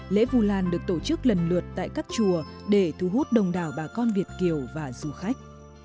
lễ vu lan được tổ chức lần lượt tại các chùa để thu hút đông đảo bà con việt kiều và du khách